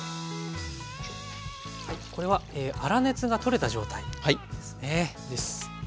これは粗熱が取れた状態ですね。